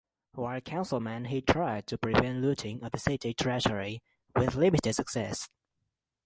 While councilman he tried to prevent looting of the city treasury, with limited success.